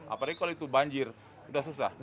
apalagi kalau itu banjir sudah susah